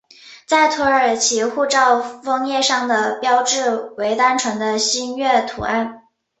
在土耳其护照封页上的标志为单纯的星月图案。